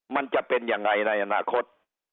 มันจะเป็นยังไงในอนาคต